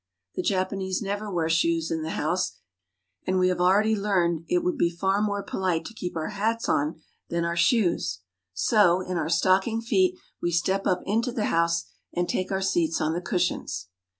The Japanese never wear shoes in the house, and we have already learned that it would be far more polite to keep our hats on than our shoes. So, in our stocking feet, we step up into the house, and take our seats on the cushions.